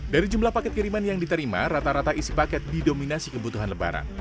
dari jumlah paket kiriman yang diterima rata rata isi paket didominasi kebutuhan lebaran